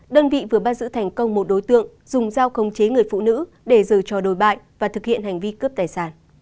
đơn vị vừa ban giữ thành công một đối tượng dùng giao công chế người phụ nữ để giữ cho đối bại và thực hiện hành vi cướp tài sản